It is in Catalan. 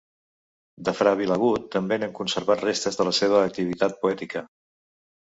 De fra Vilagut també n'hem conservat restes de la seva activitat poètica.